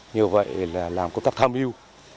như vậy là làm công tác tham hiu